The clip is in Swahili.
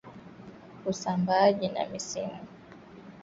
Usambaaji na misimu